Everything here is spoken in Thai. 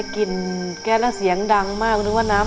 กลิ่นแก๊สแล้วเสียงดังมาก